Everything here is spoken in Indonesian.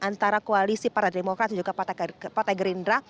antara koalisi partai demokrat dan juga partai gerindra